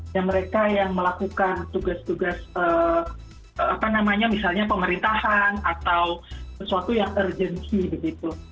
dan mereka yang melakukan tugas tugas apa namanya misalnya pemerintahan atau sesuatu yang urgency begitu